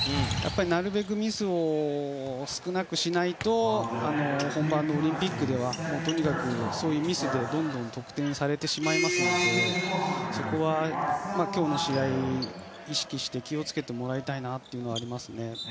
なるべくミスを少なくしないと本番のオリンピックではそういうミスでどんどん得点されてしまいますのでそこは今日の試合、意識して気を付けてもらいたいなと思いますね。